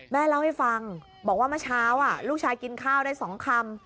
แม่เล่าให้ฟังบอกว่าเมื่อเช้าลูกชายกินข้าวได้๒คำ